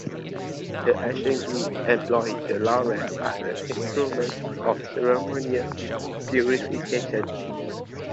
The ancient Greeks employed the laurel as an instrument of ceremonial purification.